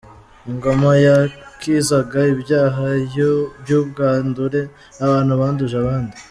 Ingoma yakizaga ibyaha by’ubwandure abantu banduje abandi.